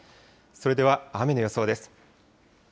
それでは雨の予想です。